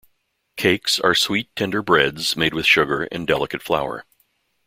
Cakes are sweet tender breads made with sugar and delicate flour.